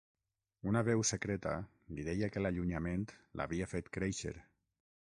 Una veu secreta li deia que l'allunyament l'havia fet créixer.